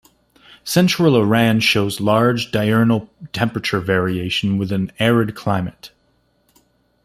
Central Iran shows large diurnal temperature variation with an arid climate.